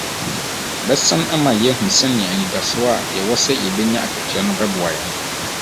Ɛbɛsan ama yɛahu sɛnea anidaso a yɛwɔ sɛ yebenya akatua no bɛboa yɛn.